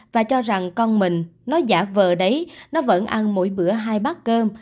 và cho rằng con mình nó giả vờ đấy nó vẫn ăn mỗi bữa hai bát cơm